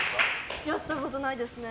やったことないですね。